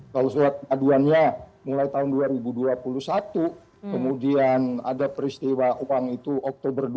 kalau surat aduannya mulai tahun dua ribu dua puluh satu kemudian ada peristiwa uang itu oktober dua ribu dua